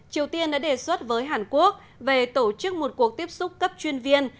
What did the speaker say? triều tiên đã đề xuất với hàn quốc về tổ chức một cuộc tiếp xúc cấp chuyên viên